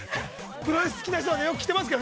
◆プロレス好きな人は、よく着ていますけど。